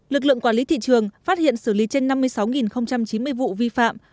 lực lượng quản lý thị trường phát hiện xử lý trên năm mươi sáu chín mươi vụ vi phạm